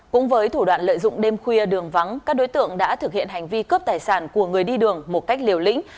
cũng với thủ đoạn lợi dụng đêm khuya đường vắng các đối tượng đã thực hiện hành vi cướp tài sản của người đi đường một cách liều lĩnh